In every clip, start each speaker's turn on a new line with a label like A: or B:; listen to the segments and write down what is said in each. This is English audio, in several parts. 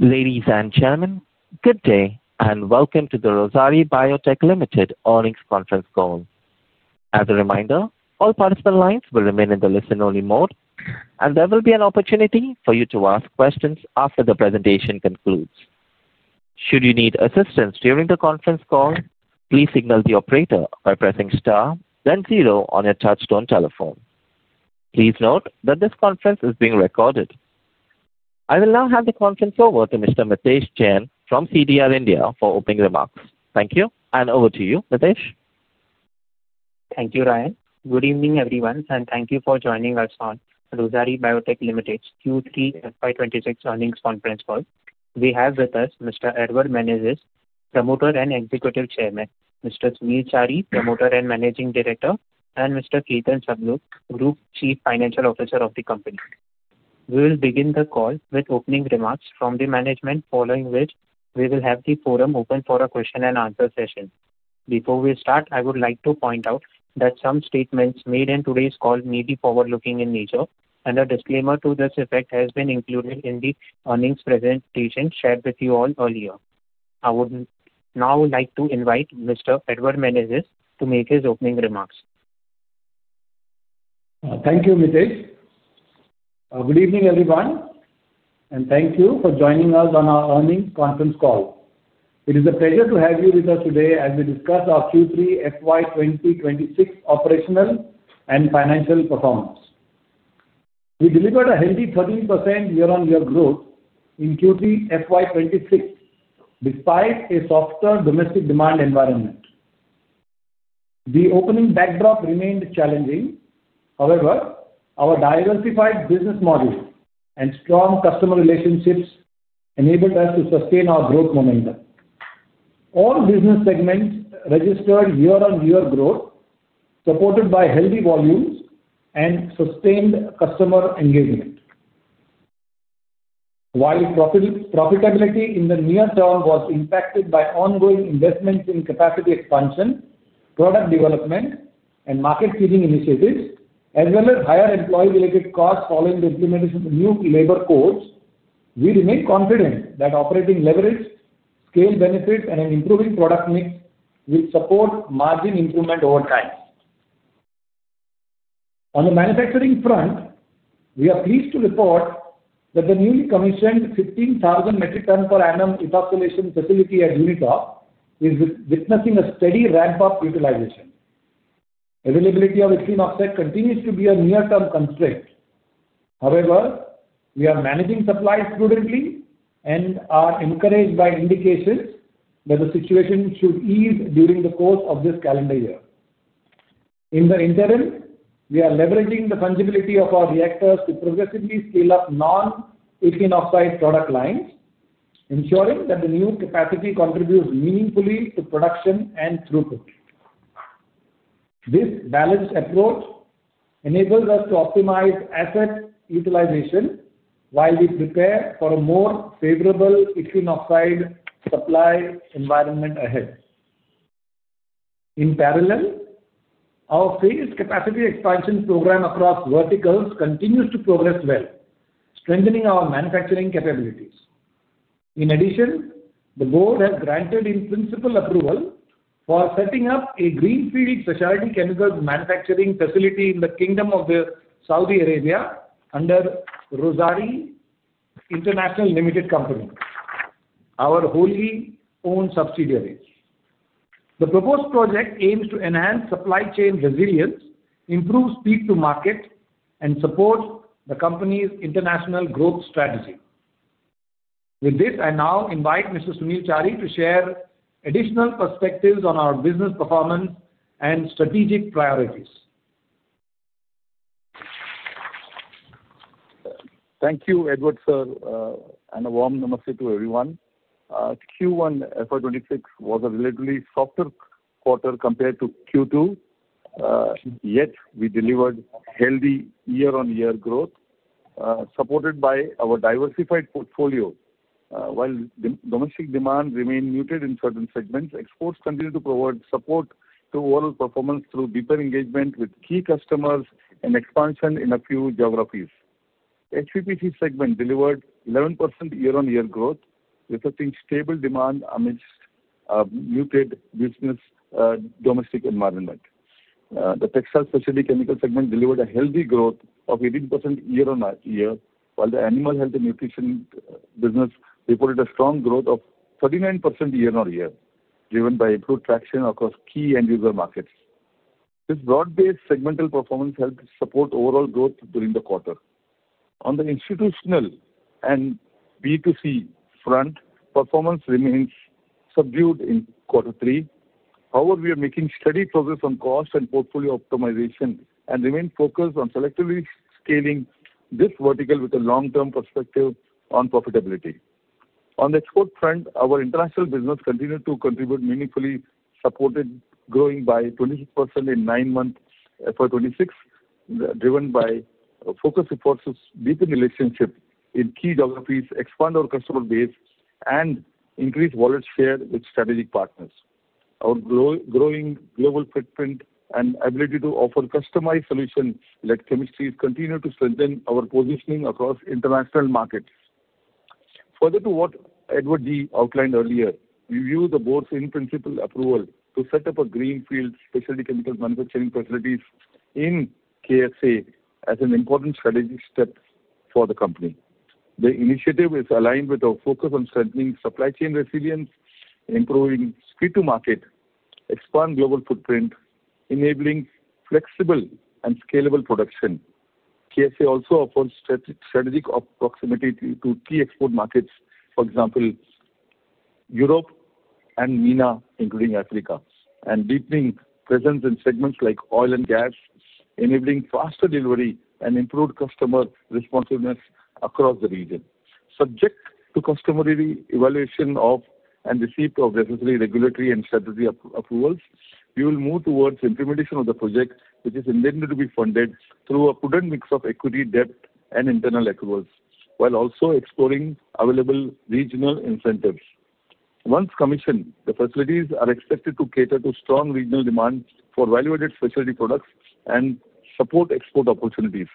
A: Ladies and gentlemen, good day and welcome to the Rossari Biotech Limited Earnings Conference Call. As a reminder, all participant lines will remain in the listen-only mode, and there will be an opportunity for you to ask questions after the presentation concludes. Should you need assistance during the conference call, please signal the operator by pressing star, then zero on your touch-tone telephone. Please note that this conference is being recorded. I will now hand the conference over to Mr. Mitesh Shah from CDR India for opening remarks. Thank you, and over to you, Mitesh.
B: Thank you, Ryan. Good evening, everyone, and thank you for joining us on Rossari Biotech Limited Q3 FY26 earnings conference call. We have with us Mr. Edward Menezes, Promoter and Executive Chairman, Mr. Sunil Chari, Promoter and Managing Director, and Mr. Ketan Sablok, Group Chief Financial Officer of the company. We will begin the call with opening remarks from the management, following which we will have the forum open for a question-and-answer session. Before we start, I would like to point out that some statements made in today's call may be forward-looking in nature, and a disclaimer to this effect has been included in the earnings presentation shared with you all earlier. I would now like to invite Mr. Edward Menezes to make his opening remarks.
C: Thank you, Mitesh. Good evening, everyone, and thank you for joining us on our earnings conference call. It is a pleasure to have you with us today as we discuss our Q3 FY2026 operational and financial performance. We delivered a healthy 13% year-on-year growth in Q3 FY26 despite a softer domestic demand environment. The opening backdrop remained challenging. However, our diversified business model and strong customer relationships enabled us to sustain our growth momentum. All business segments registered year-on-year growth, supported by healthy volumes and sustained customer engagement. While profitability in the near term was impacted by ongoing investments in capacity expansion, product development, and market seeding initiatives, as well as higher employee-related costs following the implementation of new labor codes, we remain confident that operating leverage, scale benefits, and an improving product mix will support margin improvement over time. On the manufacturing front, we are pleased to report that the newly commissioned 15,000 metric tons per annum ethoxylation facility at Unitop is witnessing a steady ramp-up utilization. Availability of ethylene oxide continues to be a near-term constraint. However, we are managing supplies prudently and are encouraged by indications that the situation should ease during the course of this calendar year. In the interim, we are leveraging the fungibility of our reactors to progressively scale up non-ethylene oxide product lines, ensuring that the new capacity contributes meaningfully to production and throughput. This balanced approach enables us to optimize asset utilization while we prepare for a more favorable ethylene oxide supply environment ahead. In parallel, our phased capacity expansion program across verticals continues to progress well, strengthening our manufacturing capabilities. In addition, the board has granted in-principle approval for setting up a greenfield specialty chemicals manufacturing facility in the Kingdom of Saudi Arabia under Rossari International Limited company, our wholly-owned subsidiary. The proposed project aims to enhance supply chain resilience, improve speed to market, and support the company's international growth strategy. With this, I now invite Mr. Sunil Chari to share additional perspectives on our business performance and strategic priorities.
D: Thank you, Edward, sir, and a warm namaste to everyone. Q1 FY26 was a relatively softer quarter compared to Q2, yet we delivered healthy year-on-year growth, supported by our diversified portfolio. While domestic demand remained muted in certain segments, exports continued to provide support to overall performance through deeper engagement with key customers and expansion in a few geographies. HPPC segment delivered 11% year-on-year growth, reflecting stable demand amidst a muted domestic environment. The textile specialty chemical segment delivered a healthy growth of 18% year-on-year, while the animal health and nutrition business reported a strong growth of 39% year-on-year, driven by improved traction across key end-user markets. This broad-based segmental performance helped support overall growth during the quarter. On the institutional and B2C front, performance remains subdued in Q3. However, we are making steady progress on cost and portfolio optimization and remain focused on selectively scaling this vertical with a long-term perspective on profitability. On the export front, our international business continued to contribute meaningfully, supported, growing by 26% in nine months FY26, driven by focus efforts to deepen relationships in key geographies, expand our customer base, and increase wallet share with strategic partners. Our growing global footprint and ability to offer customized solutions like chemistries continue to strengthen our positioning across international markets. Further to what Edward outlined earlier, we view the board's in-principle approval to set up a greenfield specialty chemicals manufacturing facilities in KSA as an important strategic step for the company. The initiative is aligned with our focus on strengthening supply chain resilience, improving speed to market, expanding global footprint, enabling flexible and scalable production. KSA also offers strategic proximity to key export markets, for example, Europe and MENA, including Africa, and deepening presence in segments like oil and gas, enabling faster delivery and improved customer responsiveness across the region. Subject to customary evaluation of and receipt of necessary regulatory and strategic approvals, we will move towards implementation of the project, which is intended to be funded through a prudent mix of equity, debt, and internal accruals, while also exploring available regional incentives. Once commissioned, the facilities are expected to cater to strong regional demand for value-added specialty products and support export opportunities.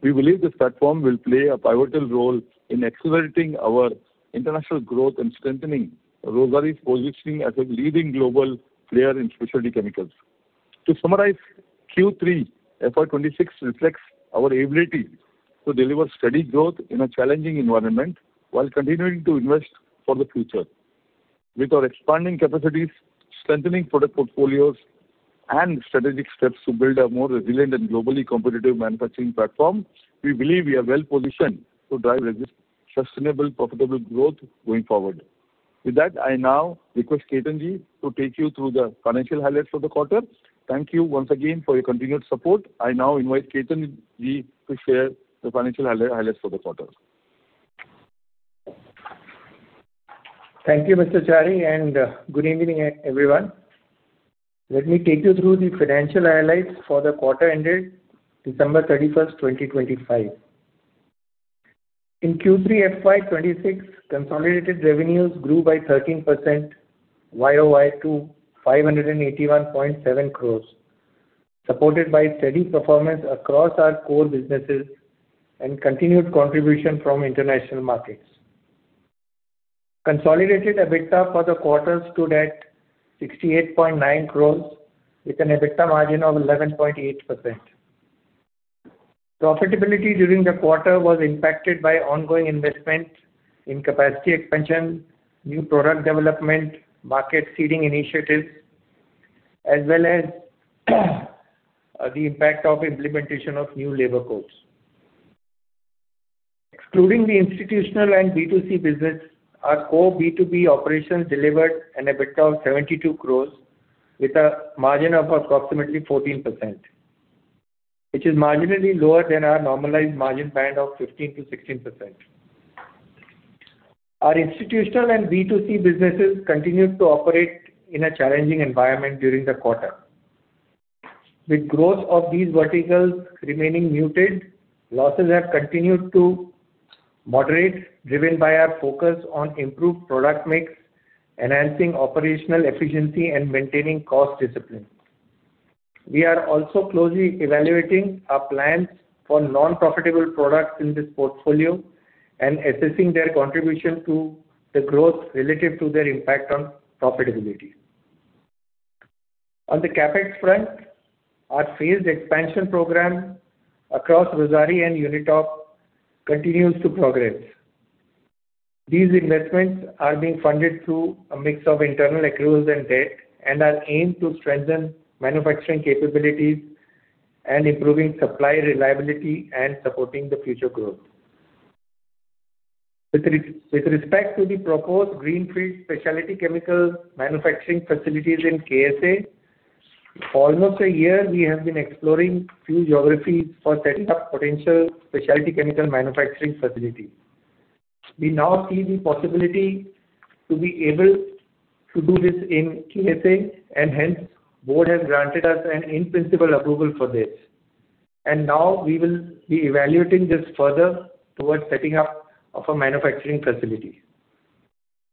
D: We believe this platform will play a pivotal role in accelerating our international growth and strengthening Rossari's positioning as a leading global player in specialty chemicals. To summarize, Q3 FY26 reflects our ability to deliver steady growth in a challenging environment while continuing to invest for the future. With our expanding capacities, strengthening product portfolios, and strategic steps to build a more resilient and globally competitive manufacturing platform, we believe we are well-positioned to drive sustainable, profitable growth going forward. With that, I now request Ketan ji to take you through the financial highlights for the quarter. Thank you once again for your continued support. I now invite Ketan ji to share the financial highlights for the quarter.
E: Thank you, Mr. Chari, and good evening, everyone. Let me take you through the financial highlights for the quarter ended December 31, 2025. In Q3 FY26, consolidated revenues grew by 13% YOY to 581.7 crores, supported by steady performance across our core businesses and continued contribution from international markets. Consolidated EBITDA for the quarter stood at 68.9 crores, with an EBITDA margin of 11.8%. Profitability during the quarter was impacted by ongoing investment in capacity expansion, new product development, market seeding initiatives, as well as the impact of implementation of new labor codes. Excluding the institutional and B2C business, our core B2B operations delivered an EBITDA of 72 crores, with a margin of approximately 14%, which is marginally lower than our normalized margin band of 15%-16%. Our institutional and B2C businesses continued to operate in a challenging environment during the quarter. With growth of these verticals remaining muted, losses have continued to moderate, driven by our focus on improved product mix, enhancing operational efficiency, and maintaining cost discipline. We are also closely evaluating our plans for non-profitable products in this portfolio and assessing their contribution to the growth relative to their impact on profitability. On the CapEx front, our phased expansion program across Rossari and Unitop continues to progress. These investments are being funded through a mix of internal accruals and debt and are aimed to strengthen manufacturing capabilities and improving supply reliability and supporting the future growth. With respect to the proposed greenfield specialty chemicals manufacturing facilities in KSA, for almost a year, we have been exploring a few geographies for setting up potential specialty chemical manufacturing facilities. We now see the possibility to be able to do this in KSA, and hence, the board has granted us an in-principle approval for this. And now, we will be evaluating this further towards setting up a manufacturing facility.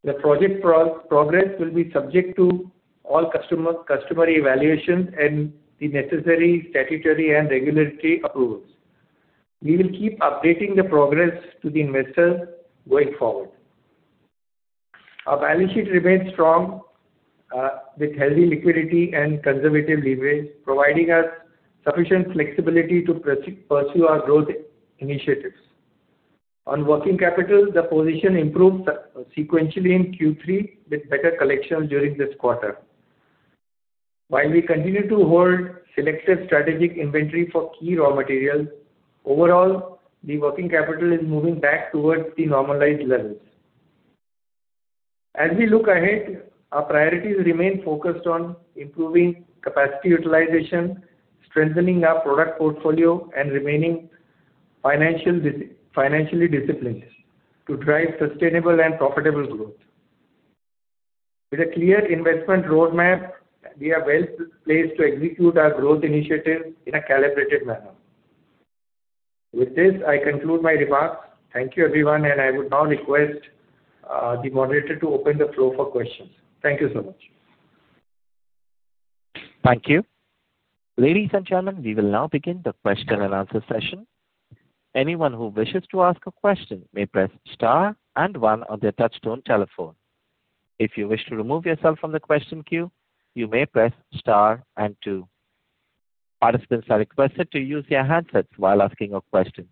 E: The project progress will be subject to all customary evaluations and the necessary statutory and regulatory approvals. We will keep updating the progress to the investors going forward. Our balance sheet remains strong, with healthy liquidity and conservative leverage, providing us sufficient flexibility to pursue our growth initiatives. On working capital, the position improved sequentially in Q3, with better collections during this quarter. While we continue to hold selective strategic inventory for key raw materials, overall, the working capital is moving back towards the normalized levels. As we look ahead, our priorities remain focused on improving capacity utilization, strengthening our product portfolio, and remaining financially disciplined to drive sustainable and profitable growth. With a clear investment roadmap, we are well-placed to execute our growth initiatives in a calibrated manner. With this, I conclude my remarks. Thank you, everyone, and I would now request the moderator to open the floor for questions. Thank you so much.
A: Thank you. Ladies and gentlemen, we will now begin the question and answer session. Anyone who wishes to ask a question may press star and one on their touch-tone telephone. If you wish to remove yourself from the question queue, you may press star and two. Participants are requested to use their handsets while asking a question.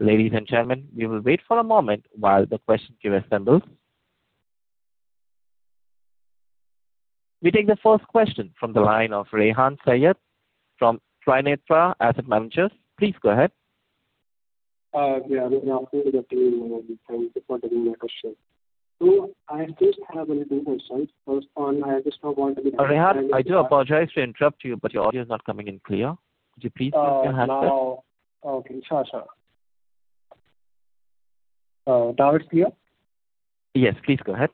A: Ladies and gentlemen, we will wait for a moment while the question queue assembles. We take the first question from the line of Rehan Syed from Trinetra Asset Managers. Please go ahead.
F: Yeah, good afternoon. Thanks for taking my question. So I just have a little insight. First one, I just don't want to.
A: Rehan, I do apologize to interrupt you, but your audio is not coming in clear. Could you please use your handset?
F: Oh, okay. Sure, sure. Now it's clear?
A: Yes, please go ahead.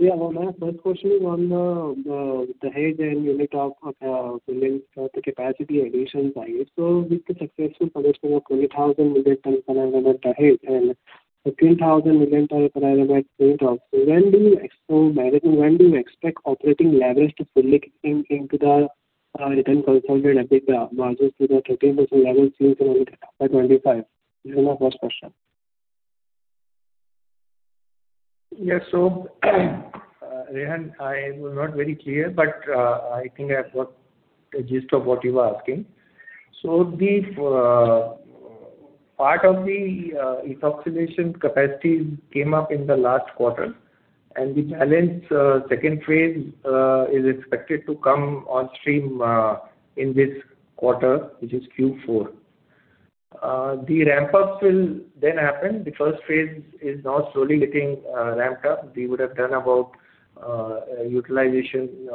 F: Yeah. Yeah, my first question is on the Dahej and Unitop, the capacity addition side. So with the successful commissioning of 20,000 metric tons per annum at the Dahej and 15,000 metric tons per annum at Unitop, when do you expect operating leverage to fully kick in to return consolidated margins to the 13% level seen in 2025? This is my first question.
E: Yes, so Rehan, I was not very clear, but I think I have got the gist of what you were asking. So the part of the ethoxylation capacities came up in the last quarter, and the balance second phase is expected to come on stream in this quarter, which is Q4. The ramp-ups will then happen. The first phase is now slowly getting ramped up. We would have done about utilization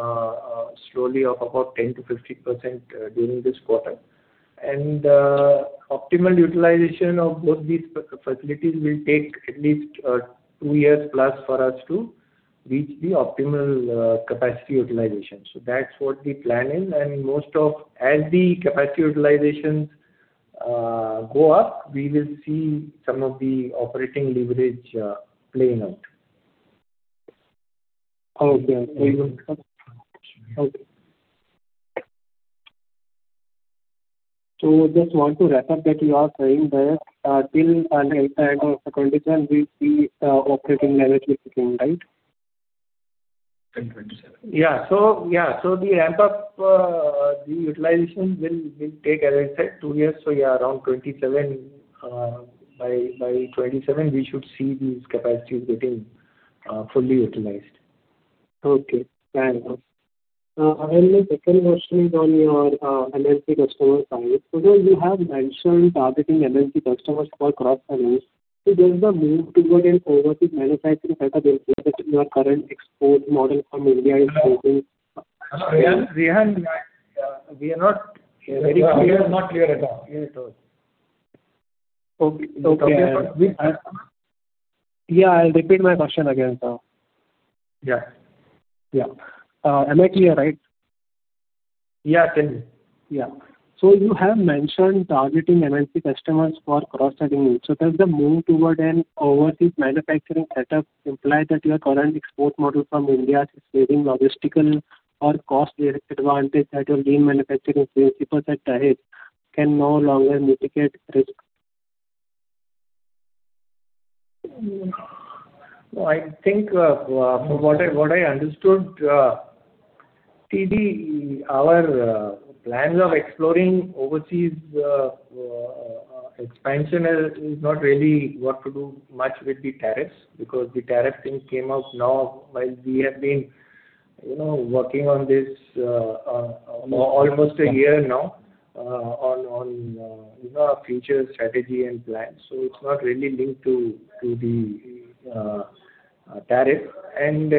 E: slowly of about 10% to 15% during this quarter. And optimal utilization of both these facilities will take at least two years plus for us to reach the optimal capacity utilization. So that's what the plan is. And as the capacity utilizations go up, we will see some of the operating leverage playing out.
F: Okay, so we will.
E: Okay.
F: So, just want to wrap up that you are saying that till the end of 27, we see operating leverage is kicking, right?
E: So, the ramp-up, the utilization will take, as I said, two years. So, around 27, by 27, we should see these capacities getting fully utilized.
F: Okay. Thanks. And my second question is on your MNC customer side. So you have mentioned targeting MNC customers for cross-selling. Is there a move toward an overseas manufacturing setup in place that your current export model from India is taking?
E: Rehan,
F: we are not very clear.
E: Not clear at all.
F: Yeah, I'll repeat my question again.
E: Yeah.
F: Yeah. Am I clear, right?
E: Yeah, tell me.
F: Yeah. So you have mentioned targeting MNC customers for cross-selling. So does the move toward an overseas manufacturing setup imply that your current export model from India is giving logistical or cost advantage that your lean manufacturing principles at Dahej can no longer mitigate risk?
E: So I think from what I understood, our plans of exploring overseas expansion is not really what to do much with the tariffs because the tariff thing came up now while we have been working on this almost a year now on our future strategy and plans. So it's not really linked to the tariff. And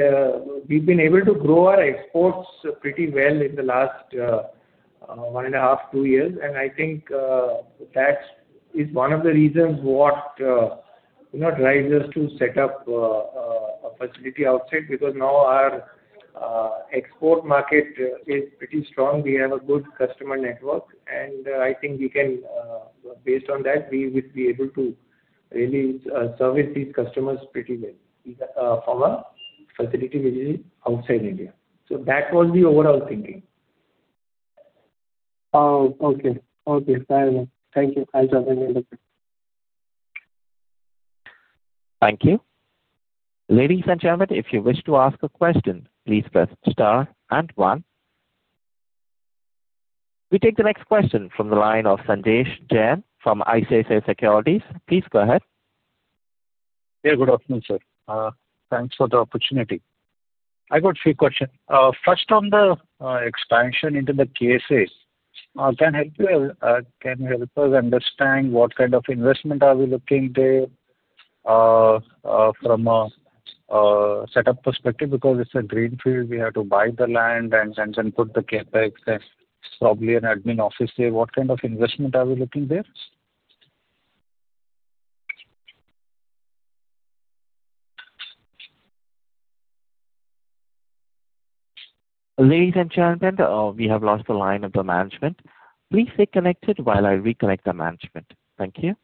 E: we've been able to grow our exports pretty well in the last one and a half, two years. And I think that is one of the reasons what drives us to set up a facility outside because now our export market is pretty strong. We have a good customer network, and I think we can, based on that, we will be able to really service these customers pretty well from a facility which is outside India. So that was the overall thinking.
F: Oh, okay. Okay. Thank you.
E: Thanks, Rehan.
A: Thank you. Ladies and gentlemen, if you wish to ask a question, please press star and one. We take the next question from the line of Sanjesh Jain from ICICI Securities. Please go ahead.
G: Yeah, good afternoon, sir. Thanks for the opportunity. I got a few questions. First, on the expansion into the KSA, can you help us understand what kind of investment are we looking at from a setup perspective? Because it's a greenfield, we have to buy the land and put the CapEx and probably an admin office there. What kind of investment are we looking there?
A: Ladies and gentlemen, we have lost the line of the management. Please stay connected while I reconnect the management. Thank you.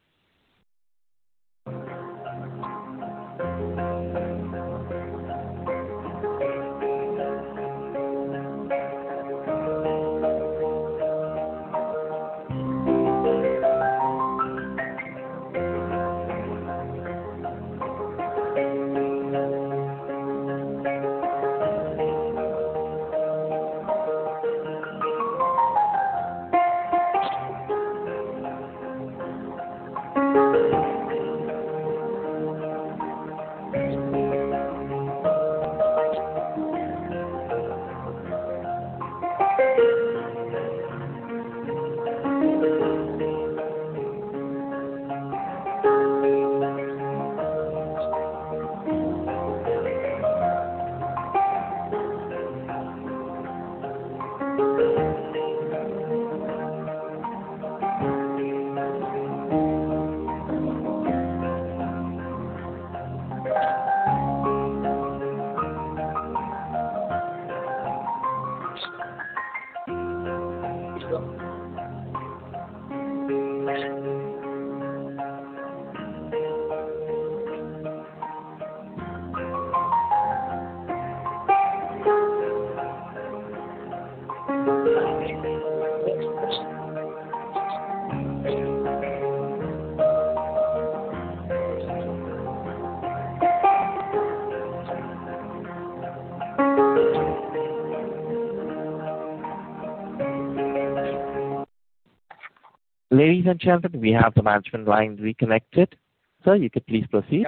A: Ladies and gentlemen, we have the management line reconnected. Sir, you could please proceed.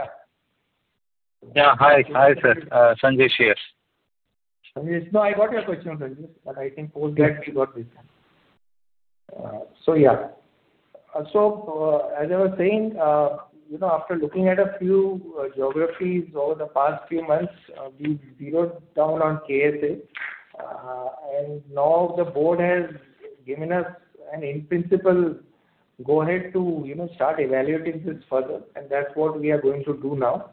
G: Yeah. Hi, hi, sir. Sanjesh here.
E: Sanjesh, no, I got your question already, but I think both guys will got this one, so yeah, so as I was saying, after looking at a few geographies over the past few months, we zeroed down on KSA, and now the board has given us an in-principle go-ahead to start evaluating this further, and that's what we are going to do now.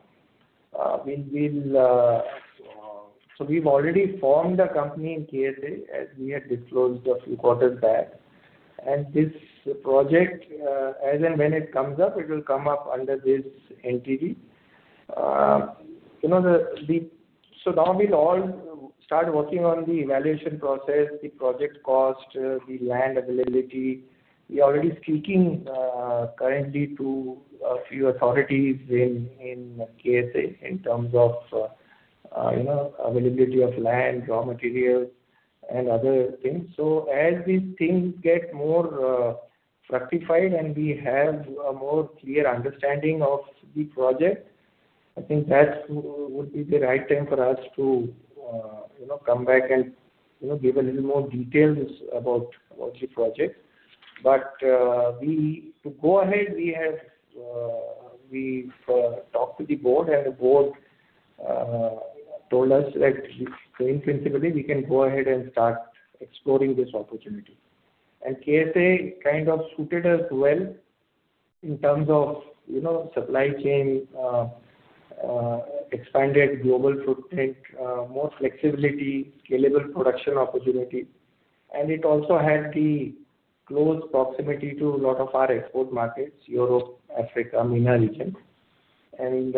E: We've already formed a company in KSA, as we had disclosed a few quarters back. This project, as and when it comes up, will come up under this entity. Now we'll all start working on the evaluation process, the project cost, the land availability. We are already speaking currently to a few authorities in KSA in terms of availability of land, raw materials, and other things. So as these things get more fructified and we have a more clear understanding of the project, I think that would be the right time for us to come back and give a little more details about the project. But to go ahead, we've talked to the board, and the board told us that in principle, we can go ahead and start exploring this opportunity. And KSA kind of suited us well in terms of supply chain, expanded global footprint, more flexibility, scalable production opportunity. And it also had the close proximity to a lot of our export markets, Europe, Africa, MENA region. And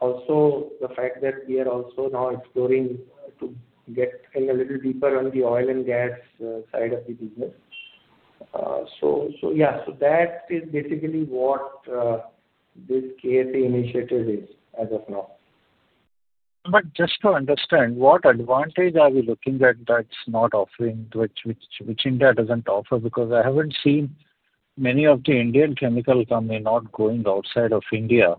E: also the fact that we are also now exploring to get a little deeper on the oil and gas side of the business. So yeah, so that is basically what this KSA initiative is as of now.
G: But just to understand, what advantage are we looking at that's not offering, which India doesn't offer? Because I haven't seen many of the Indian chemical companies not going outside of India.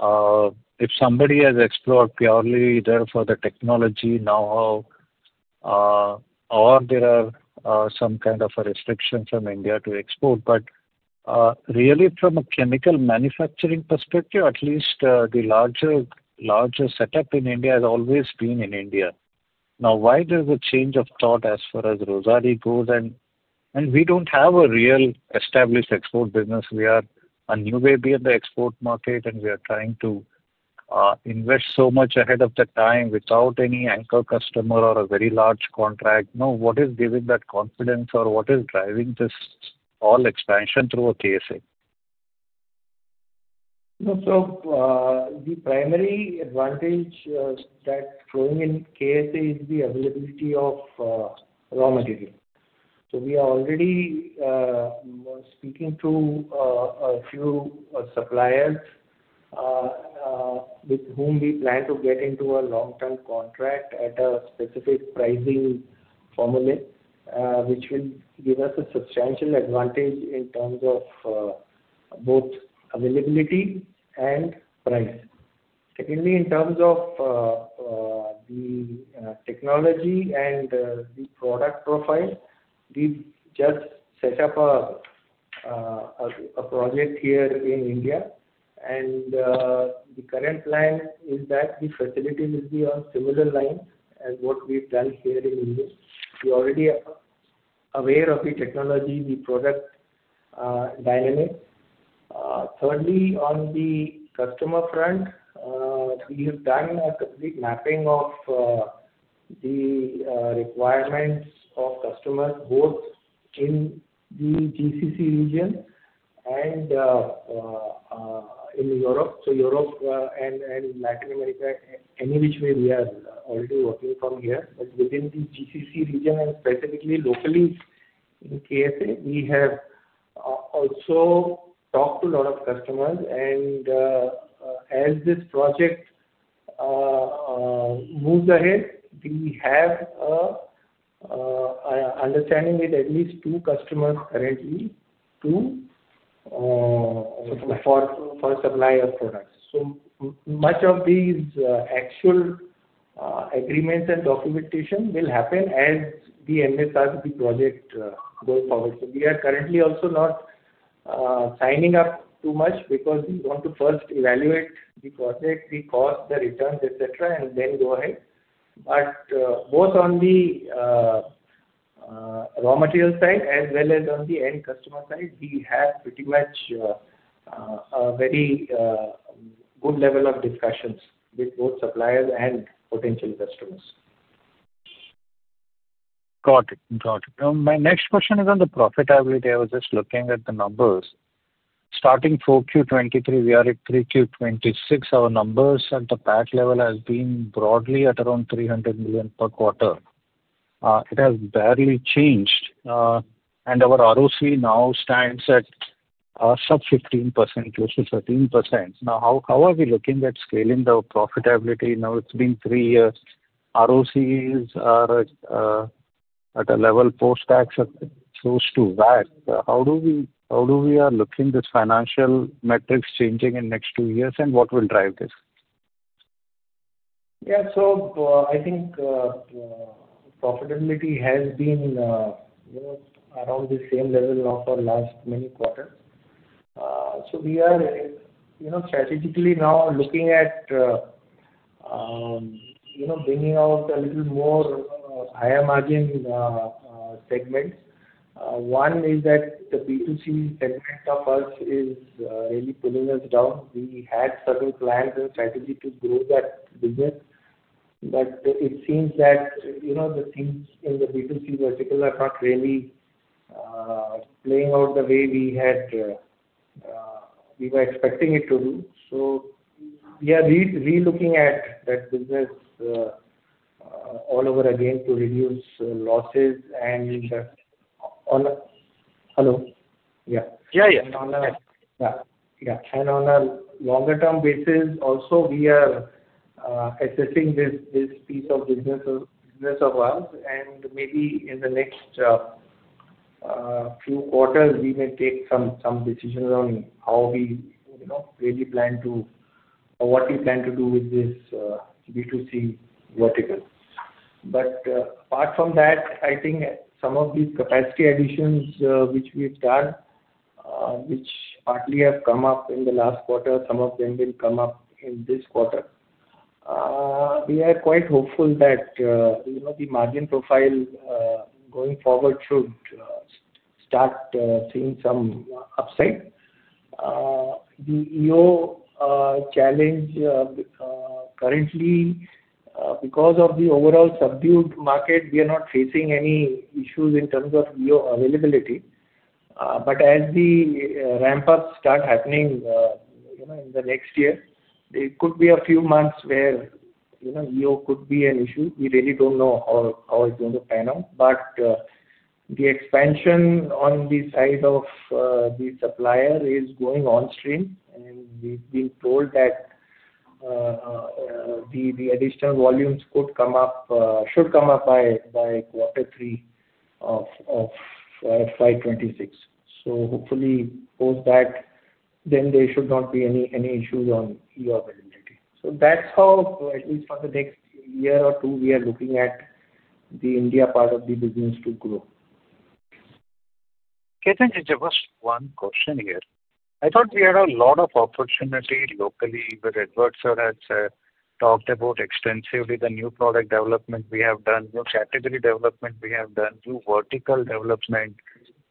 G: If somebody has explored purely there for the technology know-how, or there are some kind of a restriction from India to export. But really, from a chemical manufacturing perspective, at least the larger setup in India has always been in India. Now, why there's a change of thought as far as Rossari goes? And we don't have a real established export business. We are a new baby in the export market, and we are trying to invest so much ahead of the time without any anchor customer or a very large contract. Now, what is giving that confidence, or what is driving this all expansion through KSA?
E: The primary advantage that's going on in KSA is the availability of raw material. We are already speaking to a few suppliers with whom we plan to get into a long-term contract at a specific pricing formula, which will give us a substantial advantage in terms of both availability and price. Secondly, in terms of the technology and the product profile, we've just set up a project here in India. The current plan is that the facility will be on similar lines as what we've done here in India. We're already aware of the technology, the product dynamics. Thirdly, on the customer front, we have done a complete mapping of the requirements of customers both in the GCC region and in Europe. Europe and Latin America, any which way we are already working from here. But within the GCC region, and specifically locally in KSA, we have also talked to a lot of customers. And as this project moves ahead, we have an understanding with at least two customers currently for supply of products. So much of these actual agreements and documentation will happen as we progress the project going forward. So we are currently also not signing up too much because we want to first evaluate the project, the cost, the returns, etc., and then go ahead. But both on the raw material side as well as on the end customer side, we have pretty much a very good level of discussions with both suppliers and potential customers.
G: Got it. Got it. My next question is on the profitability. I was just looking at the numbers. Starting 4Q23, we are at 3Q26. Our numbers at the PAC level have been broadly at around 300 million per quarter. It has barely changed. And our ROC now stands at sub-15%, close to 13%. Now, how are we looking at scaling the profitability? Now, it's been three years. ROCs are at a level post-tax of close to that. How do we are looking at these financial metrics changing in the next two years, and what will drive this?
E: Yeah. So I think profitability has been around the same level of our last many quarters. So we are strategically now looking at bringing out a little more higher-margin segments. One is that the B2C segment of us is really pulling us down. We had several plans and strategies to grow that business, but it seems that the things in the B2C vertical are not really playing out the way we were expecting it to do. So we are relooking at that business all over again to reduce losses and hello? Yeah.
G: Yeah, yeah.
E: Yeah. Yeah. And on a longer-term basis, also, we are assessing this piece of business of ours. And maybe in the next few quarters, we may take some decisions on how we really plan to or what we plan to do with this B2C vertical. But apart from that, I think some of these capacity additions which we've done, which partly have come up in the last quarter, some of them will come up in this quarter. We are quite hopeful that the margin profile going forward should start seeing some upside. The EO challenge currently, because of the overall subdued market, we are not facing any issues in terms of EO availability. But as the ramp-ups start happening in the next year, there could be a few months where EO could be an issue. We really don't know how it's going to pan out. But the expansion on the side of the supplier is going onstream, and we've been told that the additional volumes should come up by quarter three of FY26. So hopefully, post that, then there should not be any issues on EO availability. So that's how, at least for the next year or two, we are looking at the India part of the business to grow.
G: KJ, just one question here. I thought we had a lot of opportunity locally, but Edward, sir, has talked about extensively the new product development we have done, new category development we have done, new vertical development,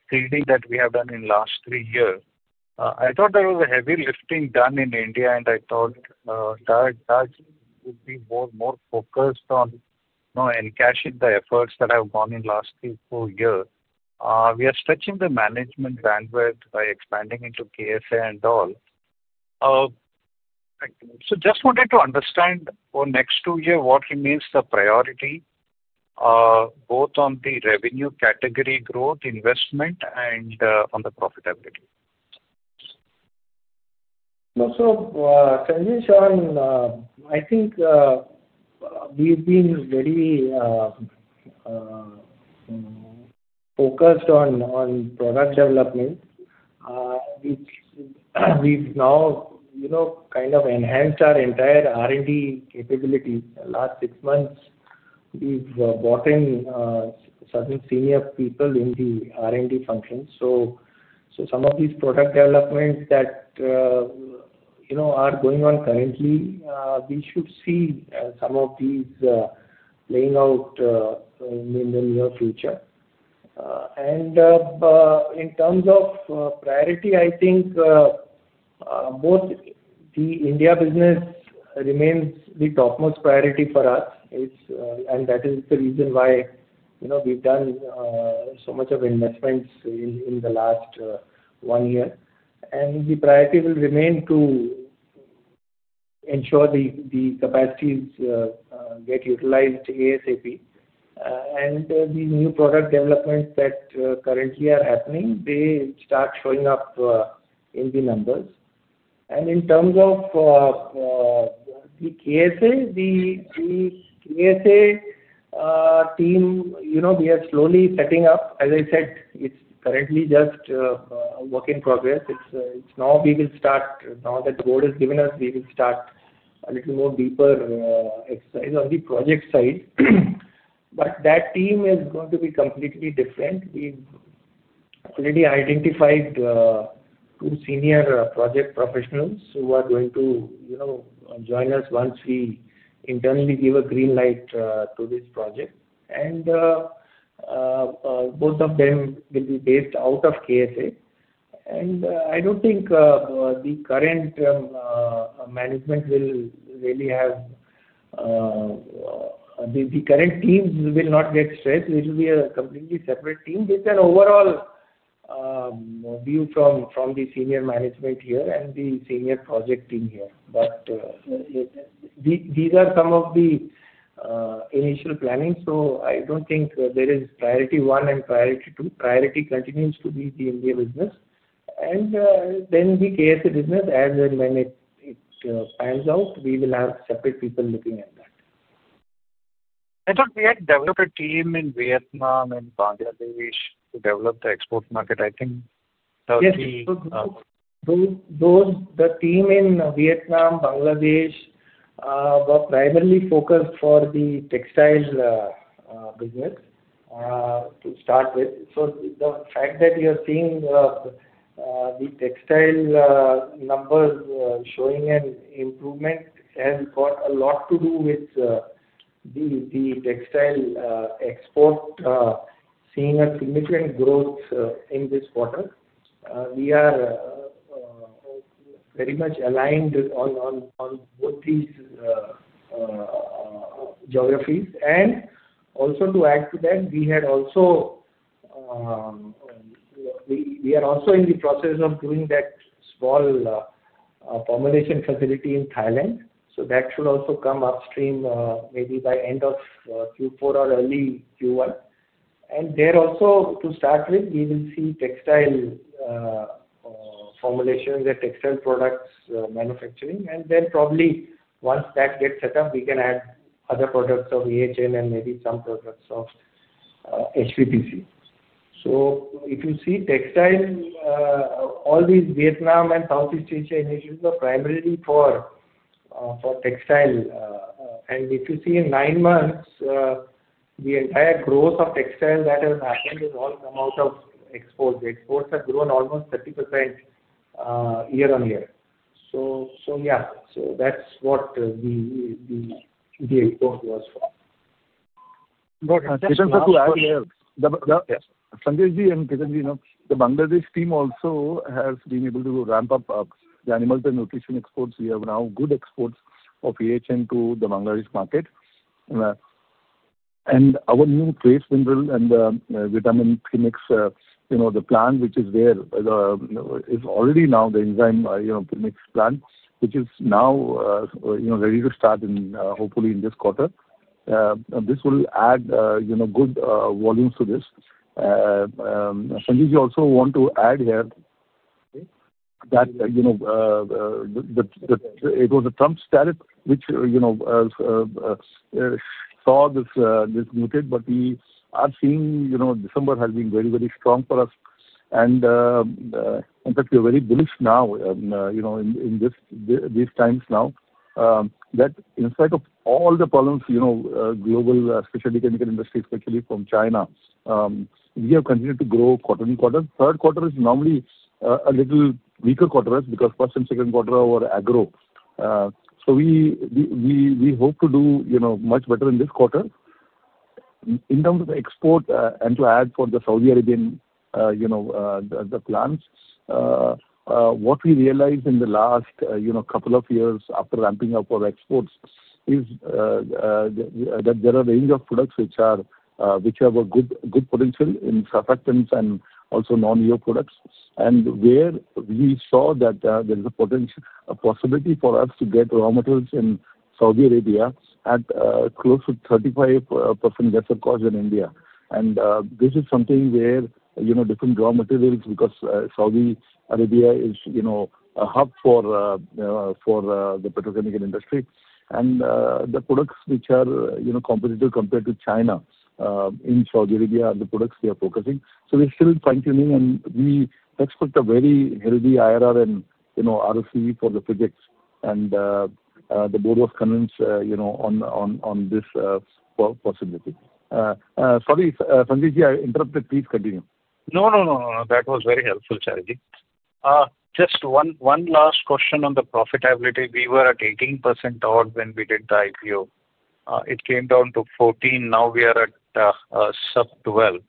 G: seeding that we have done in the last three years. I thought there was a heavy lifting done in India, and I thought that would be more focused on encashing the efforts that have gone in the last few years. We are stretching the management bandwidth by expanding into KSA and all. So just wanted to understand for next two years what remains the priority, both on the revenue category growth investment and on the profitability?
E: So can you show in? I think we've been very focused on product development. We've now kind of enhanced our entire R&D capability. The last six months, we've brought in certain senior people in the R&D function. So some of these product developments that are going on currently, we should see some of these playing out in the near future. In terms of priority, I think both the India business remains the topmost priority for us, and that is the reason why we've done so much of investments in the last one year. The priority will remain to ensure the capacities get utilized ASAP. The new product developments that currently are happening, they start showing up in the numbers. In terms of the KSA, the KSA team, we are slowly setting up. As I said, it's currently just a work in progress. Now, we will start now that the board has given us. We will start a little more deeper exercise on the project side. But that team is going to be completely different. We've already identified two senior project professionals who are going to join us once we internally give a green light to this project. And both of them will be based out of KSA. And I don't think the current management will really have the current teams will not get stressed. It will be a completely separate team. There's an overall view from the senior management here and the senior project team here. But these are some of the initial planning. So I don't think there is priority one and priority two. Priority continues to be the India business. And then the KSA business, as and when it pans out, we will have separate people looking at that.
G: I thought we had developed a team in Vietnam and Bangladesh to develop the export market. I think.
E: Yes. So the team in Vietnam, Bangladesh were primarily focused for the textile business to start with. So the fact that you're seeing the textile numbers showing an improvement has got a lot to do with the textile export, seeing a significant growth in this quarter. We are very much aligned on both these geographies. And also to add to that, we are also in the process of doing that small formulation facility in Thailand. So that should also come upstream maybe by end of Q4 or early Q1. And there also, to start with, we will see textile formulations and textile products manufacturing. And then probably once that gets set up, we can add other products of AHN and maybe some products of HPPC. So if you see textile, all these Vietnam and Southeast Asia initiatives are primarily for textile. If you see in nine months, the entire growth of textile that has happened has all come out of exports. The exports have grown almost 30% year on year. Yeah. That's what the export was for.
G: Got it.
E: Just to add here, the Bangladesh team also has been able to ramp up the Animal Health and Nutrition exports. We have now good exports of AHN to the Bangladesh market. And our new trace minerals and the vitamin premix plant, which is already now the enzyme premix plant, which is now ready to start hopefully in this quarter. This will add good volumes to this. You also want to add here that it was a transport challenge which saw this muted, but we are seeing December has been very, very strong for us. And in fact, we are very bullish now in these times now that in spite of all the problems, global specialty chemical industry, especially from China, we have continued to grow quarter on quarter. Third quarter is normally a little weaker quarter because first and second quarter were agro. So we hope to do much better in this quarter. In terms of export and to add for the Saudi Arabian plans, what we realized in the last couple of years after ramping up our exports is that there are a range of products which have a good potential in surfactants and also non-EO products. And where we saw that there is a possibility for us to get raw materials in Saudi Arabia at close to 35% lesser cost than India. And this is something where different raw materials because Saudi Arabia is a hub for the petrochemical industry. And the products which are competitive compared to China in Saudi Arabia are the products we are focusing. So we're still fine-tuning, and we expect a very healthy IRR and ROC for the projects. And the board was convinced on this possibility. Sorry, KJ, I interrupted. Please continue.
G: No, no, no, no. That was very helpful, KJ. Just one last question on the profitability. We were at 18% odd when we did the IPO. It came down to 14%. Now we are at sub-12%.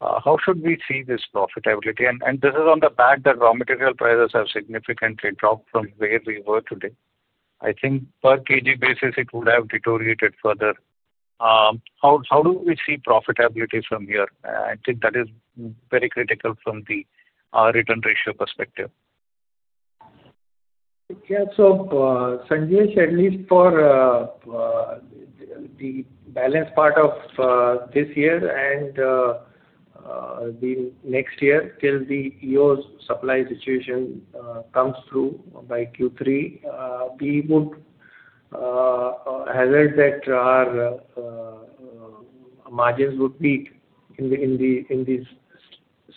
G: How should we see this profitability? And this is on the back that raw material prices have significantly dropped from where we were today. I think per kg basis, it would have deteriorated further. How do we see profitability from here? I think that is very critical from the return ratio perspective.
E: Yeah. So, KJ, at least for the balance part of this year and the next year till the EO supply situation comes through by Q3, we would hazard that our margins would be in this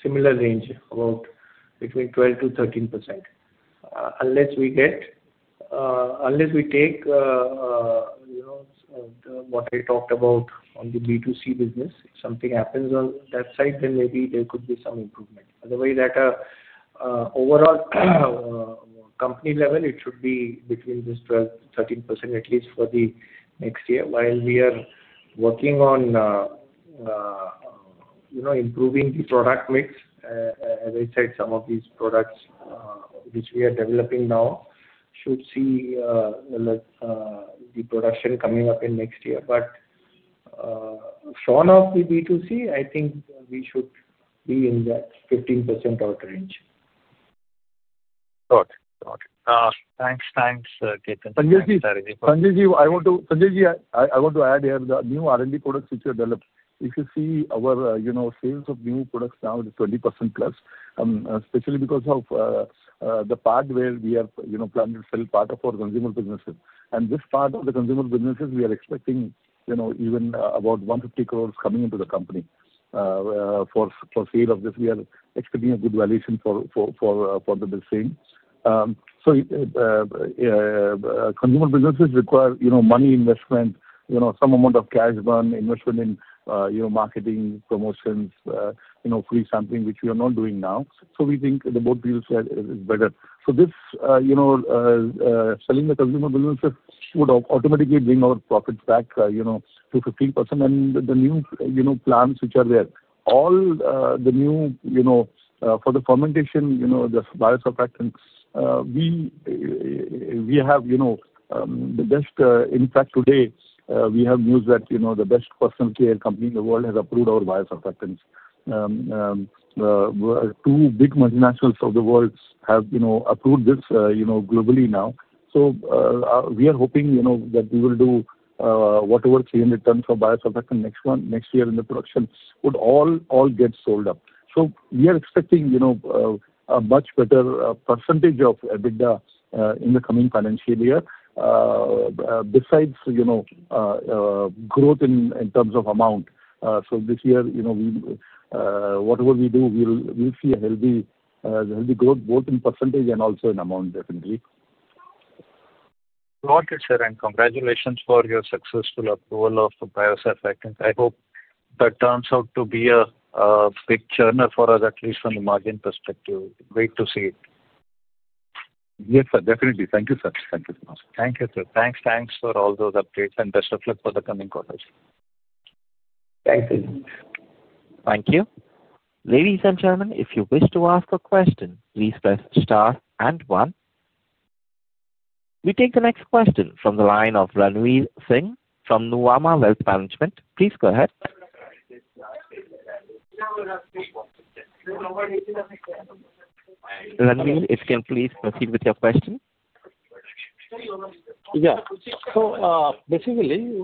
E: similar range, about between 12%-13%. Unless we take what I talked about on the B2C business, if something happens on that side, then maybe there could be some improvement. Otherwise, at an overall company level, it should be between this 12%-13% at least for the next year. While we are working on improving the product mix, as I said, some of these products which we are developing now should see the production coming up in next year. But short of the B2C, I think we should be in that 15% odd range.
G: Got it. Got it. Thanks. Thanks, KJ.
E: KJ, I want to add here the new R&D products which we have developed. If you see our sales of new products now, it is 20% plus, especially because of the part where we have planned to sell part of our consumer businesses, and this part of the consumer businesses, we are expecting even about 150 crores coming into the company. For sale of this, we are expecting a good valuation for the same thing, so consumer businesses require money investment, some amount of cash burn investment in marketing, promotions, free sampling, which we are not doing now, so we think the board deals with it is better, so this selling the consumer businesses would automatically bring our profits back to 15%, and the new plants which are there, all the new for the fermentation, the biosurfactants, we have the best. In fact, today, we have news that the best personal care company in the world has approved our biosurfactants. Two big multinationals of the world have approved this globally now. So we are hoping that we will do whatever 300 tons of biosurfactant next year in the production would all get sold out. So we are expecting a much better percentage of EBITDA in the coming financial year, besides growth in terms of amount. So this year, whatever we do, we'll see a healthy growth both in percentage and also in amount, definitely.
G: Got it, sir. And congratulations for your successful approval of the biosurfactants. I hope that turns out to be a big churn for us, at least from the margin perspective. Great to see it.
E: Yes, sir. Definitely. Thank you, sir. Thank you so much.
G: Thank you, sir. Thanks. Thanks for all those updates and best of luck for the coming quarters.
E: Thank you.
A: Thank you. Ladies and gentlemen, if you wish to ask a question, please press star and one. We take the next question from the line of Ranvir Singh from Nuvama Wealth Management. Please go ahead. Ranveer, if you can please proceed with your question.
H: Yeah. So basically,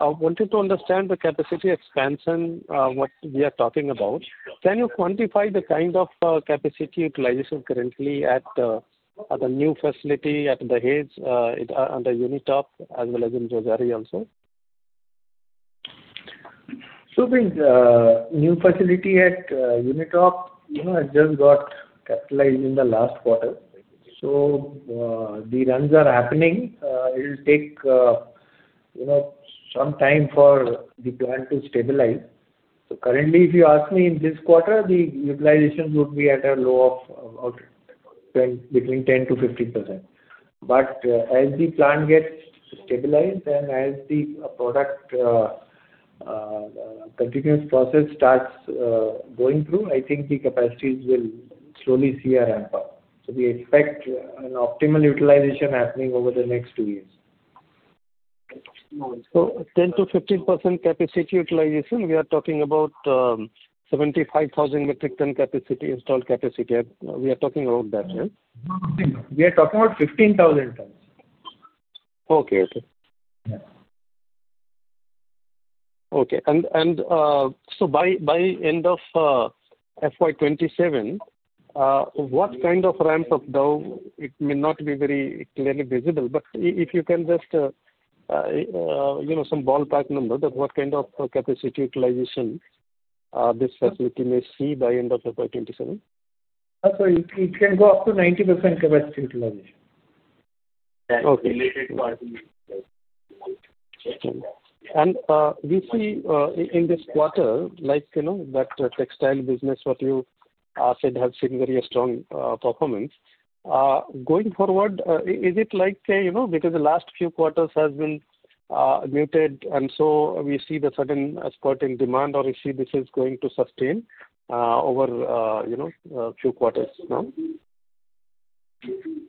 H: I wanted to understand the capacity expansion, what we are talking about. Can you quantify the kind of capacity utilization currently at the new facility at Dahej under Unitop as well as in Rossari also?
E: The new facility at Unitop has just got capitalized in the last quarter. The runs are happening. It will take some time for the plant to stabilize. Currently, if you ask me in this quarter, the utilization would be at a low of between 10%-15%. But as the plant gets stabilized and as the product continuous process starts going through, I think the capacities will slowly see a ramp up. We expect an optimal utilization happening over the next two years.
H: So 10%-15% capacity utilization, we are talking about 75,000 metric ton installed capacity. We are talking about that, right?
E: We are talking about 15,000 tons.
H: And so by end of FY27, what kind of ramp-up though? It may not be very clearly visible, but if you can just some ballpark number, what kind of capacity utilization this facility may see by end of FY27?
E: It can go up to 90% capacity utilization.
H: We see in this quarter, like that textile business, what you said has seen very strong performance. Going forward, is it like because the last few quarters have been muted, and so we see the sudden spurt in demand, or is it going to sustain over a few quarters now?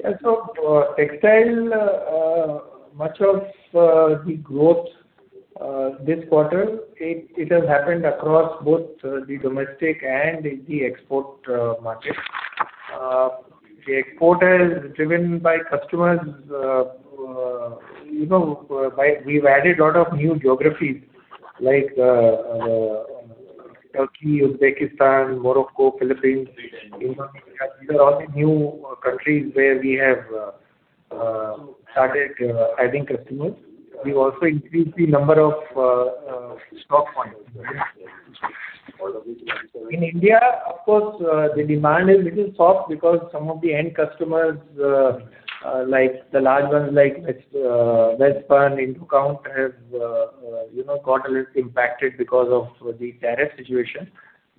E: Yeah. So, textile, much of the growth this quarter, it has happened across both the domestic and the export market. The export is driven by customers. We've added a lot of new geographies like Turkey, Uzbekistan, Morocco, Philippines. These are all the new countries where we have started adding customers. We've also increased the number of stock points. In India, of course, the demand is a little soft because some of the end customers, like the large ones like Welspun, Indo Count, have got a little impacted because of the tariff situation.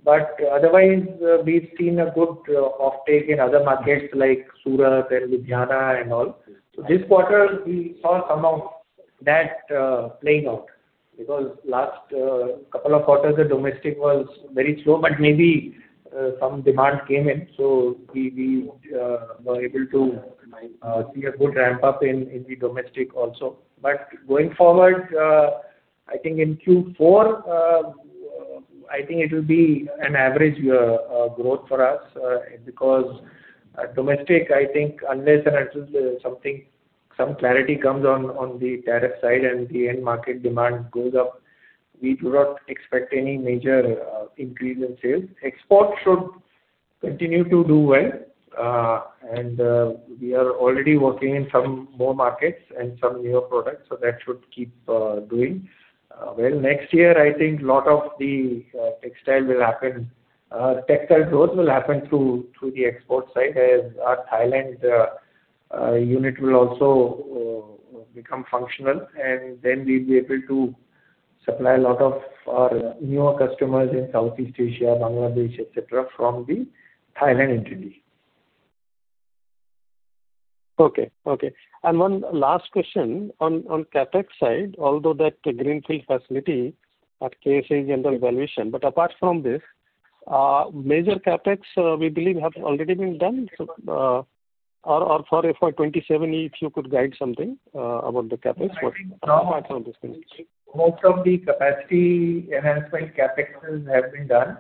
E: But otherwise, we've seen a good offtake in other markets like Surat and Ludhiana and all. So this quarter, we saw some of that playing out because last couple of quarters, the domestic was very slow, but maybe some demand came in. So we were able to see a good ramp-up in the domestic also. But going forward, I think in Q4, I think it will be an average growth for us because domestic, I think unless and until something, some clarity comes on the tariff side and the end market demand goes up, we do not expect any major increase in sales. Export should continue to do well. And we are already working in some more markets and some newer products. So that should keep doing well. Next year, I think a lot of the textile will happen. Textile growth will happen through the export side as our Thailand unit will also become functional. And then we'll be able to supply a lot of our newer customers in Southeast Asia, Bangladesh, etc., from the Thailand entity.
H: Okay. And one last question on CapEx side, although that greenfield facility at KSA general valuation, but apart from this, major CapEx, we believe have already been done. Or for FY27, if you could guide something about the CapEx, what are some of these things?
E: Most of the capacity enhancement CapExes have been done.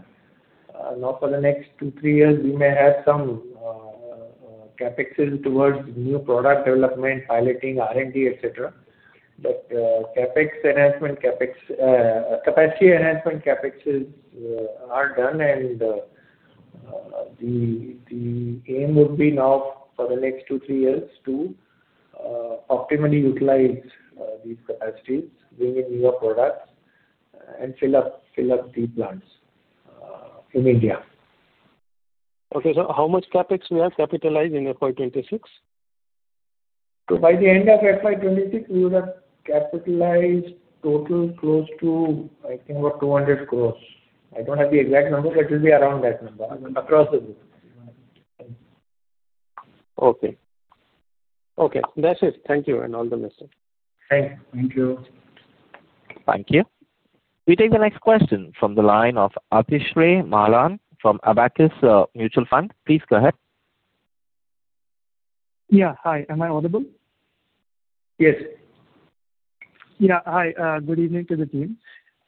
E: Now, for the next two, three years, we may have some CapExes towards new product development, piloting, R&D, etc., but CapEx enhancement, capacity enhancement CapExes are done, and the aim would be now for the next two, three years to optimally utilize these capacities, bring in newer products, and fill up the plants in India.
H: Okay. So how much CapEx we have capitalized in FY26?
E: So by the end of FY26, we would have capitalized total close to, I think, about 200 crores. I don't have the exact number, but it will be around that number across the board.
H: Okay. Okay. That's it. Thank you. And all the best.
E: Thanks. Thank you.
A: Thank you. We take the next question from the line of Atishay Malan from Abakkus Asset Manager LLP. Please go ahead.
I: Yeah. Hi. Am I audible?
E: Yes.
I: Yeah. Hi. Good evening to the team.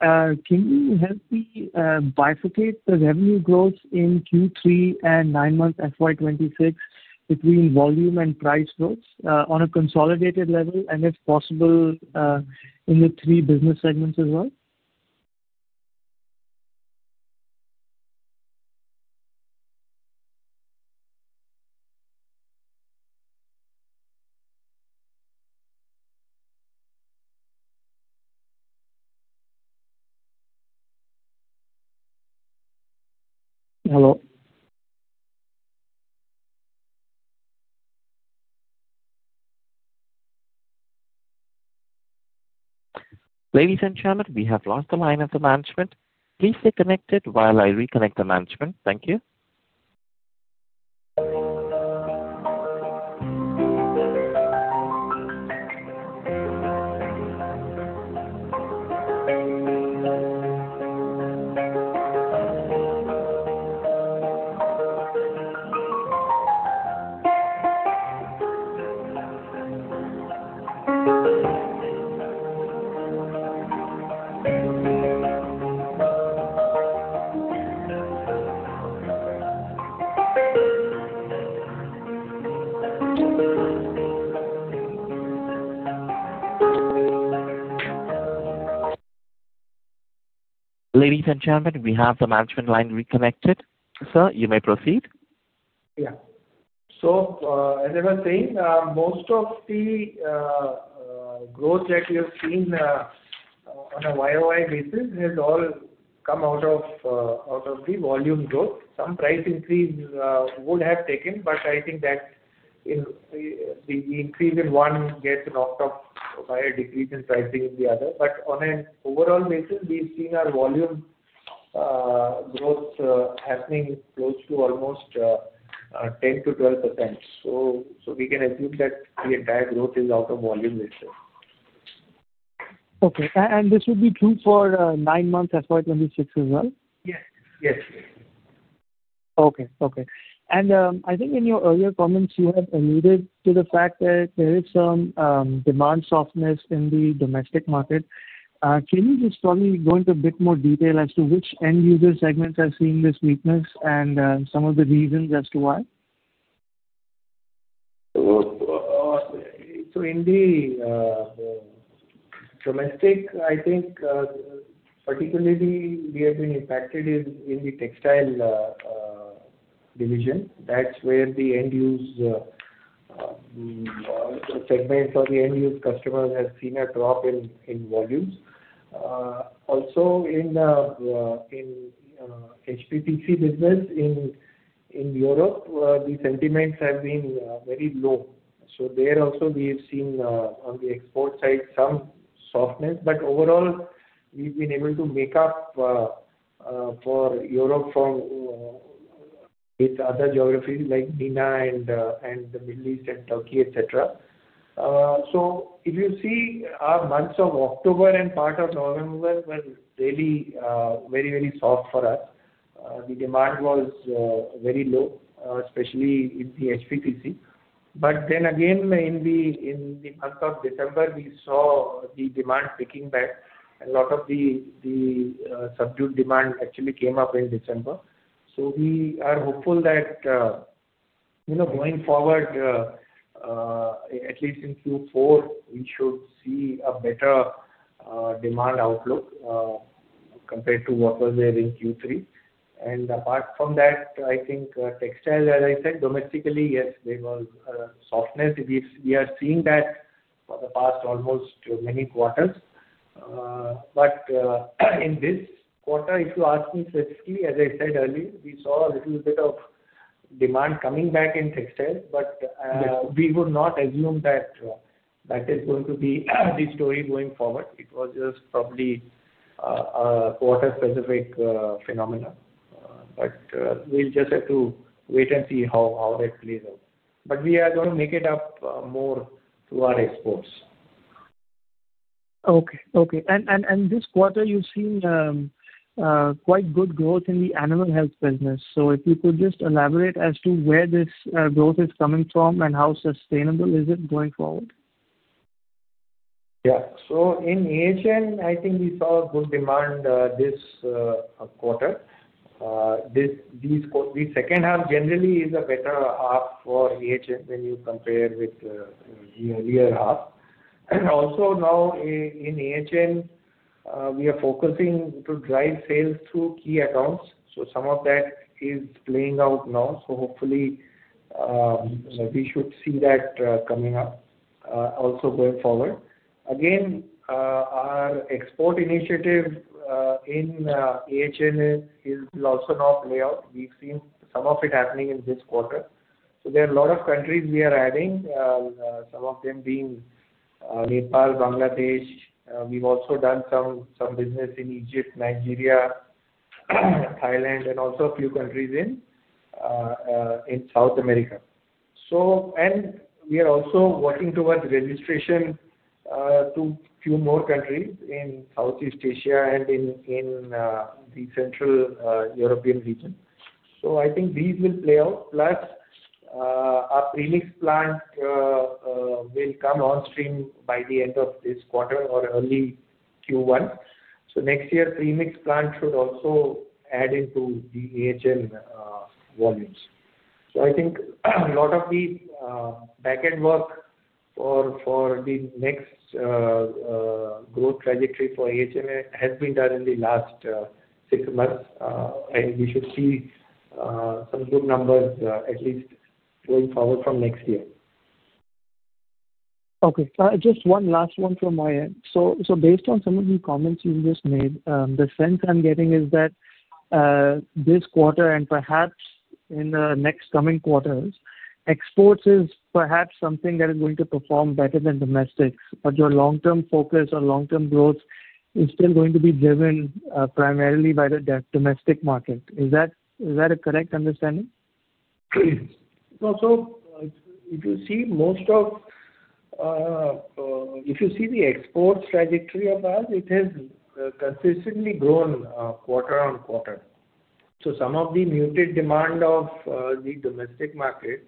I: Can you help me bifurcate the revenue growth in Q3 and nine-month FY26 between volume and price growth on a consolidated level and, if possible, in the three business segments as well?
A: Hello. Ladies and gentlemen, we have lost the line of the management. Please stay connected while I reconnect the management. Thank you. Ladies and gentlemen, we have the management line reconnected. Sir, you may proceed.
E: Yeah, so as I was saying, most of the growth that we have seen on a YoY basis has all come out of the volume growth. Some price increase would have taken, but I think that the increase in one gets knocked off by a decrease in pricing in the other, but on an overall basis, we've seen our volume growth happening close to almost 10%-12%, so we can assume that the entire growth is out of volume basis.
I: Okay. And this would be true for nine months FY26 as well?
E: Yes. Yes.
I: Okay. And I think in your earlier comments, you had alluded to the fact that there is some demand softness in the domestic market. Can you just probably go into a bit more detail as to which end user segments are seeing this weakness and some of the reasons as to why?
E: So in the domestic, I think particularly we have been impacted in the textile division. That's where the end use segment or the end use customers have seen a drop in volumes. Also, in the HPPC business in Europe, the sentiments have been very low. So there also, we've seen on the export side some softness. But overall, we've been able to make up for Europe from with other geographies like MENA and the Middle East and Turkey, etc. So if you see our months of October and part of November were really very, very soft for us. The demand was very low, especially in the HPPC. But then again, in the month of December, we saw the demand picking back. And a lot of the subdued demand actually came up in December. So we are hopeful that going forward, at least in Q4, we should see a better demand outlook compared to what was there in Q3. And apart from that, I think textiles, as I said, domestically, yes, there was softness. We are seeing that for the past almost many quarters. But in this quarter, if you ask me specifically, as I said earlier, we saw a little bit of demand coming back in textiles, but we would not assume that that is going to be the story going forward. It was just probably a quarter-specific phenomenon. But we'll just have to wait and see how that plays out. But we are going to make it up more through our exports.
I: Okay. And this quarter, you've seen quite good growth in the animal health business. So if you could just elaborate as to where this growth is coming from and how sustainable is it going forward?
E: Yeah. So in AHN, I think we saw good demand this quarter. The second half generally is a better half for AHN when you compare with the earlier half. Also, now in AHN, we are focusing to drive sales through key accounts. So some of that is playing out now. So hopefully, we should see that coming up also going forward. Again, our export initiative in AHN will also now play out. We've seen some of it happening in this quarter. So there are a lot of countries we are adding, some of them being Nepal, Bangladesh. We've also done some business in Egypt, Nigeria, Thailand, and also a few countries in South America. And we are also working towards registration to a few more countries in Southeast Asia and in the Central European region. So I think these will play out. Plus, our premix plant will come on stream by the end of this quarter or early Q1, so next year, premix plant should also add into the AHN volumes. So I think a lot of the backend work for the next growth trajectory for AHN has been done in the last six months, and we should see some good numbers at least going forward from next year.
I: Okay. Just one last one from my end. So based on some of the comments you've just made, the sense I'm getting is that this quarter and perhaps in the next coming quarters, exports is perhaps something that is going to perform better than domestics, but your long-term focus or long-term growth is still going to be driven primarily by the domestic market. Is that a correct understanding?
E: So if you see the export trajectory of us, it has consistently grown quarter on quarter. So some of the muted demand of the domestic market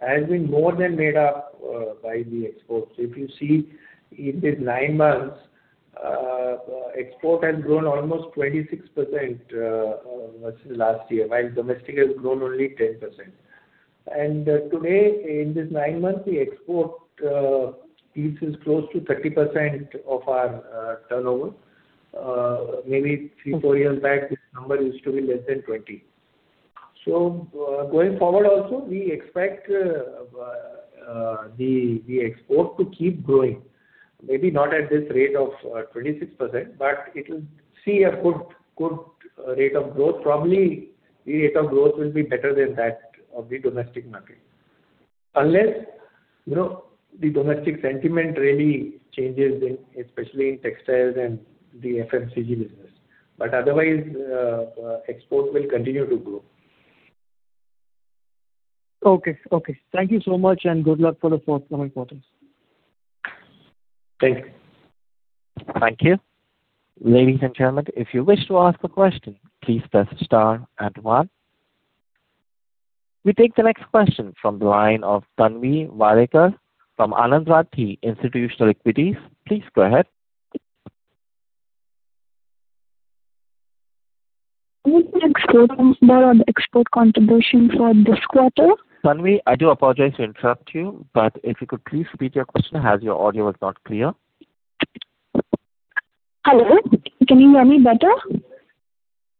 E: has been more than made up by the exports. So if you see in these nine months, export has grown almost 26% versus last year, while domestic has grown only 10%. And today, in this nine months, the export piece is close to 30% of our turnover. Maybe three, four years back, this number used to be less than 20%. So going forward also, we expect the export to keep growing. Maybe not at this rate of 26%, but it will see a good rate of growth. Probably the rate of growth will be better than that of the domestic market. Unless the domestic sentiment really changes, especially in textiles and the FMCG business. But otherwise, export will continue to grow.
I: Okay. Okay. Thank you so much and good luck for the forthcoming quarters.
E: Thank you.
A: Thank you. Ladies and gentlemen, if you wish to ask a question, please press star and one. We take the next question from the line of Tanvi Varekar from Anand Rathi Institutional Equities. Please go ahead.
J: What is the export number or the export contribution for this quarter?
A: Tanvi, I do apologize to interrupt you, but if you could please repeat your question as your audio was not clear.
J: Hello. Can you hear me better?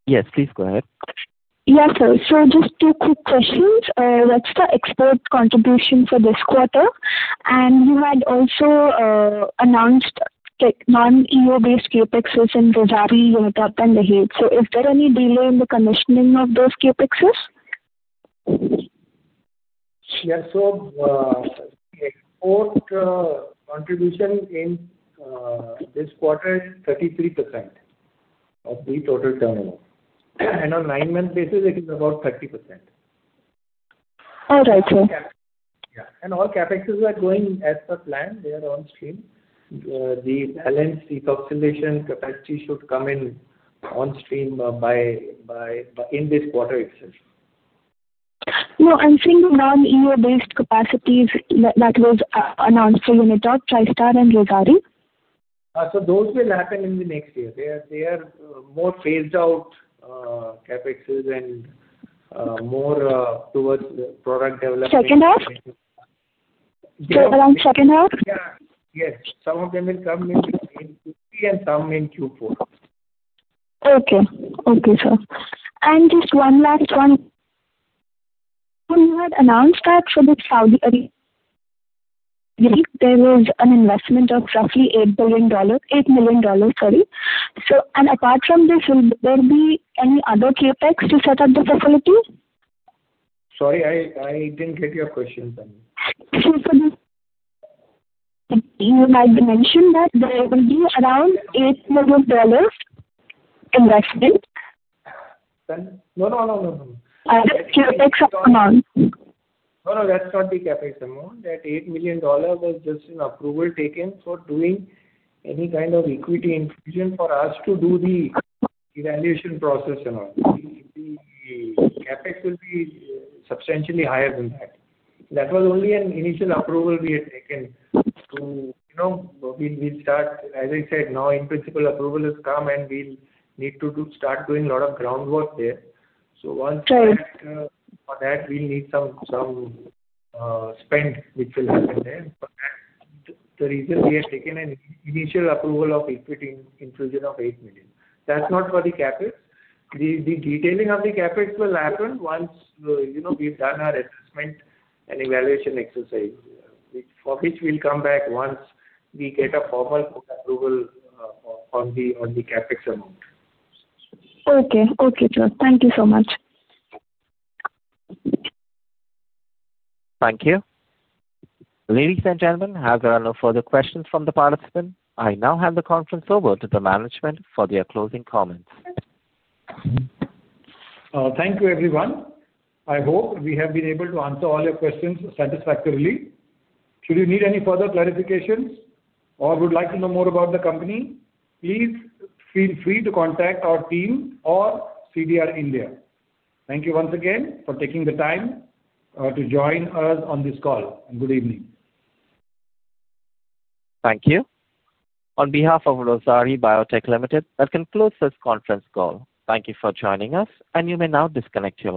A: Yes, please go ahead.
J: Yes, sir. So just two quick questions. What's the export contribution for this quarter? And you had also announced non-EO-based CapExes in Gujarat, Unitop Pradesh, and uncertain. So is there any delay in the commissioning of those CapExes?
E: Yes. So the export contribution in this quarter is 33% of the total turnover. And on nine-month basis, it is about 30%.
J: All right, sir.
E: Yeah. And all CapExes are going as per plan. They are on stream. The balance ethoxylation capacity should come in on stream in this quarter itself.
J: No, I'm saying the non-EO-based capacities that was announced for Unitop, Tristar, and Gujarat.
E: So those will happen in the next year. They are more phased out CapExes and more towards product development.
J: Second half? Around second half?
E: Yes. Some of them will come in Q3 and some in Q4.
J: Okay. Okay, sir, and just one last one. You had announced that for the Saudi Arabia. There was an investment of roughly $8 billion, and apart from this, will there be any other CapEx to set up the facility?
E: Sorry, I didn't get your question, Tanvi.
J: You had mentioned that there will be around $8 million investment.
E: No, no, no, no, no.
J: CapEx amount.
E: No, no, that's not the CapEx amount. That $8 million was just an approval taken for doing any kind of equity infusion for us to do the evaluation process and all. The CapEx will be substantially higher than that. That was only an initial approval we had taken to start. As I said, now in principle, approval has come and we'll need to start doing a lot of groundwork there. So once we're at that, we'll need some spend which will happen there. But that's the reason we had taken an initial approval of equity infusion of $8 million. That's not for the CapEx. The detailing of the CapEx will happen once we've done our assessment and evaluation exercise, for which we'll come back once we get a formal approval on the CapEx amount.
J: Okay. Okay, sir. Thank you so much.
A: Thank you. Ladies and gentlemen, are there no further questions from the participants? I now hand the conference over to the management for their closing comments.
B: Thank you, everyone. I hope we have been able to answer all your questions satisfactorily. Should you need any further clarifications or would like to know more about the company, please feel free to contact our team or CDR India. Thank you once again for taking the time to join us on this call, and good evening.
A: Thank you. On behalf of Rossari Biotech Limited, that concludes this conference call. Thank you for joining us, and you may now disconnect your.